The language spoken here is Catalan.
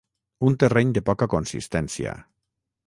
Un terreny de poca consistència.